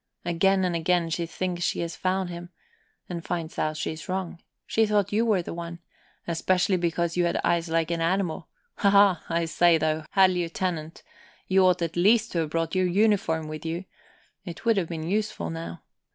Again and again she thinks she's found him, and finds out she's wrong; she thought you were the one, especially because you had eyes like an animal. Haha! I say, though, Herr Lieutenant, you ought at least to have brought your uniform with you. It would have been useful now.